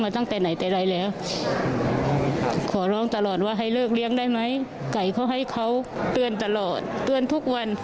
มันเป็นความสุข